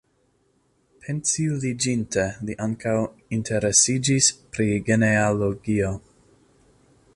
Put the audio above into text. Pensiuliĝinte li ankaŭ interesiĝis pri genealogio.